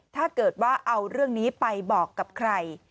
ถ้าเกิดว่าเอาเรื่องนี้ไปบอกกับใคร